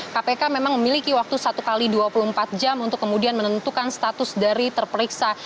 kpk memang memiliki waktu satu x dua puluh empat jam untuk kemudian menentukan status dari terperiksa